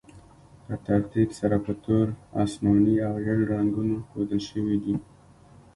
په ترتیب سره په تور، اسماني او ژیړ رنګونو ښودل شوي دي.